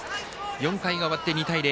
４回が終わって２対０。